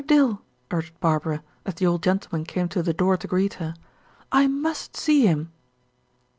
Dill," urged Barbara, as the old gentleman came to the door to greet her, "I must see him."